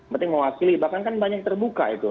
penting mewakili bahkan kan banyak terbuka itu